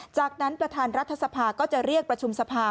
จากนั้นประธานรัฐสภาก็จะเรียกประชุมสภา